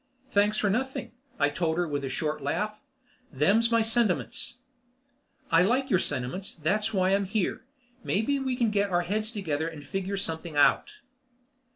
"Thanks for nothing," I told her with a short laugh. "Them's my sentiments." "I like your sentiments. That's why I'm here, and maybe we can get our heads together and figure something out."